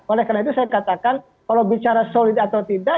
oleh karena itu saya katakan kalau bicara solid atau tidak